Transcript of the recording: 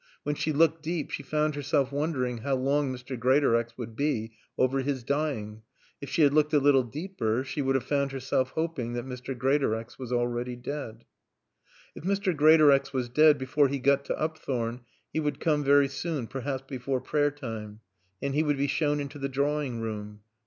When she looked deep she found herself wondering how long Mr. Greatorex would be over his dying. If she had looked a little deeper she would have found herself hoping that Mr. Greatorex was already dead. If Mr. Greatorex was dead before he got to Upthorne he would come very soon, perhaps before prayer time. And he would be shown into the drawing room.